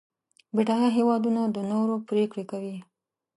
بډایه هېوادونه د نورو پرېکړې کوي.